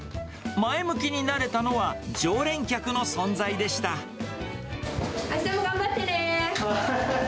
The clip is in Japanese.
前向きになれたのは、常連客の存あしたも頑張ってね。